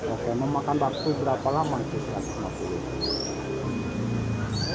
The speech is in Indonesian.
oke memakan waktu berapa lama itu satu ratus lima puluh